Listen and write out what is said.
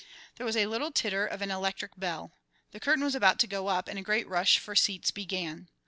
There was a little titter of an electric bell. The curtain was about to go up, and a great rush for seats began.